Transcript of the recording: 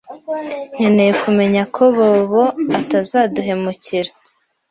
Nkeneye kumenya ko Bobo atazaduhemukira.